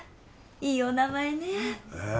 いいお名前ねへえ